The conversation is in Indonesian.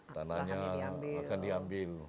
tanahnya akan diambil